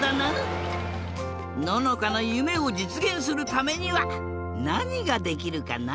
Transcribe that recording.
ののかのゆめをじつげんするためにはなにができるかな？